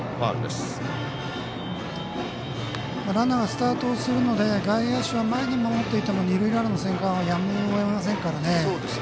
ランナーはスタートするので外野手は前に守っていても二塁ランナーの生還はやむをえませんからね。